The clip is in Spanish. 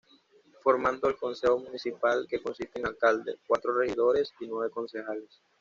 Formando el consejo municipal que consiste en alcalde, cuatro regidores, y nueve concejales.